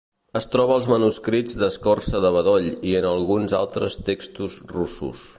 Es troba als manuscrits d'escorça de bedoll i en alguns altres textos russos.